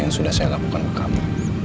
yang sudah saya lakukan ke kami